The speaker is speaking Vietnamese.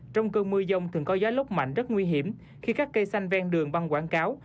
trong cơn mưa dông thường có gió lốc mạnh rất nguy hiểm khi các cây xanh ven đường băng quảng cáo